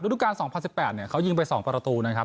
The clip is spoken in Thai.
รูดุการ๒๐๑๘เขายิงไป๒ประตูนะครับ